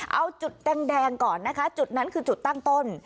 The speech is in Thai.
เอาจุดแดงก่อนนะคะจุดนั้นคือจุดตั้งต้น